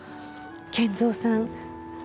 賢三さん